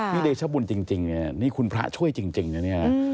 นี่เดชบุญจริงเนี่ยนี่คุณพระช่วยจริงนะเนี่ย